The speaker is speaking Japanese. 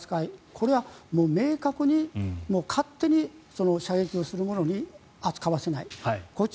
これは明確に勝手に射撃をする者に扱わせない。